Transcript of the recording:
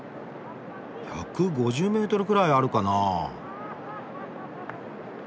１５０メートルくらいあるかな。